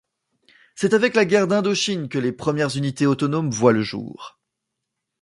C'est avec la guerre d'Indochine que les premières unités autonomes voient le jour.